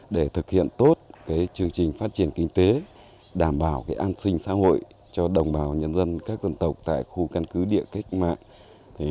để thực hiện tốt chương trình phát triển kinh tế đảm bảo an sinh xã hội cho đồng bào nhân dân các dân tộc tại khu căn cứ địa cách mạng